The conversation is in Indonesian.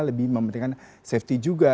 lebih mementingkan safety juga